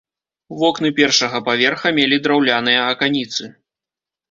Вокны першага паверха мелі драўляныя аканіцы.